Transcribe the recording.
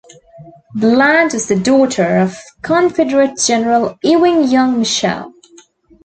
Bland was the daughter of Confederate General Ewing Young Mitchell.